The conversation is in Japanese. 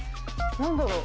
何だろう？